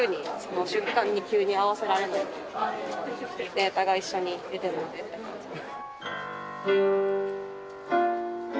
データが一緒に出てるのでって感じで。